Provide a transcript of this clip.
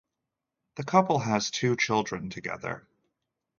The couple has two children together.